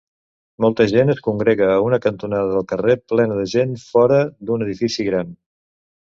Molta gent es congrega a una cantonada del carrer plena de gent fora d'un edifici gran.